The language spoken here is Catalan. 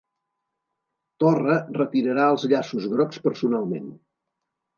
Torra retirarà els llaços grocs personalment